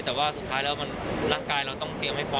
แต่ว่าสุดท้ายแล้วร่างกายเราต้องเตรียมให้พอ